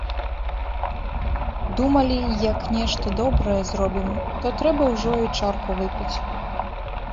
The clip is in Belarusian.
Думалі, як нешта добрае зробім, то трэба ўжо і чарку выпіць.